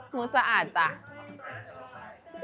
หมูสามชาติ